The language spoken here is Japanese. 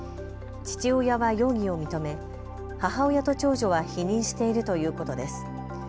父親は容疑を認め母親と長女は否認しているということです。